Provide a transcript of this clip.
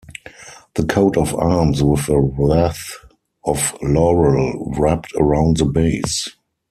The coat of arms with a wreath of laurel wrapped around the base.